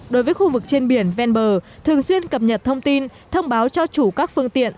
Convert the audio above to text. đối với khu vực trên biển ven bờ thường xuyên cập nhật thông tin thông báo cho chủ các phương tiện